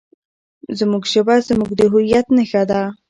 زموږ ژبه زموږ د هویت نښه ده.